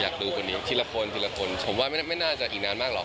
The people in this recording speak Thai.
ดูคนนี้ทีละคนทีละคนผมว่าไม่น่าจะอีกนานมากหรอก